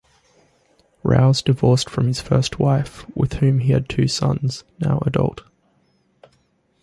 Rowse divorced from his first wife, with whom he had two sons, now adult.